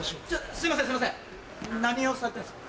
すいませんすいません何をされてるんですか？